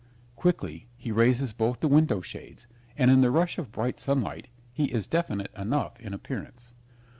Quickly he raises both the window shades, and in the rush of bright sunlight he is definite enough in appearance.